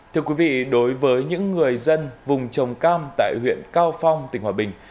thưa quý vị đối với những người dân vùng trồng cam tại huyện cao phong tỉnh hòa bình